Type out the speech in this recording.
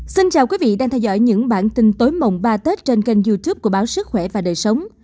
xin chào quý vị đang theo dõi những bản tin tối mồng ba tết trên kênh youtube của báo sức khỏe và đời sống